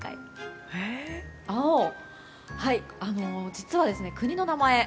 実は国の名前